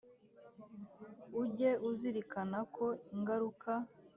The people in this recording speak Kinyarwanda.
Ujye uzirikana ko ingaruka